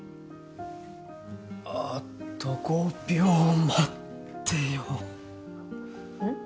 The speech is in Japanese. あと５秒待ってようん？